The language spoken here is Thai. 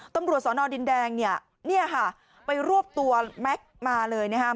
ตำรวจสอนอดินแดงเนี่ยค่ะไปรวบตัวแม็กซ์มาเลยนะครับ